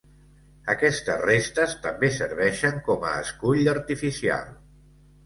Aquestes restes també serveixen com a escull artificial.